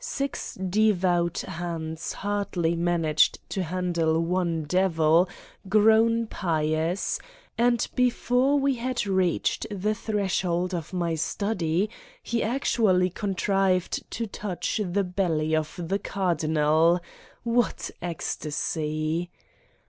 Six de vout hands hardly managed to handle one Devil, grown pious, and before we had reached the threshold of my study, he actually contrived to touch the belly of the Cardinal. What ecstasy